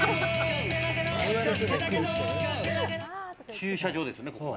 駐車場ですね、ここは。